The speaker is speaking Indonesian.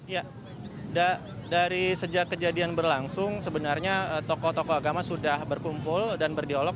ya dari sejak kejadian berlangsung sebenarnya tokoh tokoh agama sudah berkumpul dan berdialog